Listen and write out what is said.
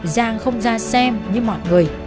giang không ra xem như mọi người